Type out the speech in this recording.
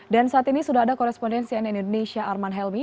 dan saat ini sudah ada korespondensi dari indonesia arman helmi